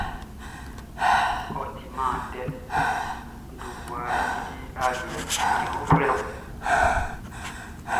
Ɔ timan tɛ, n dun mmua dili aliɛ cɛn uflɛ.